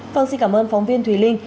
vâng xin cảm ơn phóng viên thùy linh